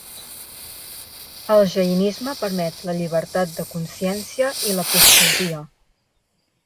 El jainisme permet la llibertat de consciència i l'apostasia.